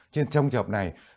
cho nên trong trường hợp này